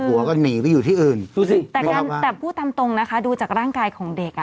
หัวก็หนีไปอยู่ที่อื่นดูสิแต่การแต่พูดตามตรงนะคะดูจากร่างกายของเด็กอ่ะ